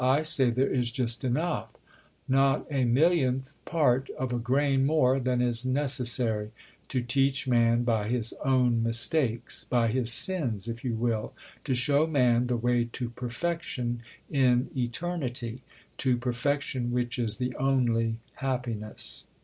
I say, there is just enough (not a millionth part of a grain more than is necessary) to teach man by his own mistakes, by his sins, if you will to show man the way to perfection in eternity to perfection which is the only happiness....